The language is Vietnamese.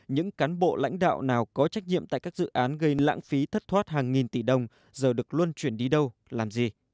những cán bộ lãnh đạo nào có trách nhiệm tại các dự án gây lãng phí thất thoát hàng nghìn tỷ đồng giờ được luân chuyển đi đâu làm gì